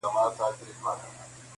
ښکلي ټولي ترهېدلي نن چینه هغسي نه ده -